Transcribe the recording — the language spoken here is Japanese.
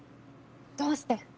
どうして？